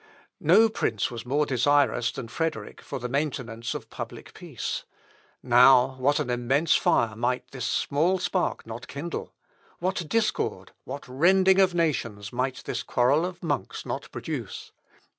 No prince was more desirous than Frederick for the maintenance of public peace. Now, what an immense fire might this small spark not kindle? What discord, what rending of nations, might this quarrel of monks not produce?